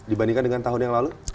dibandingkan dengan tahun yang lalu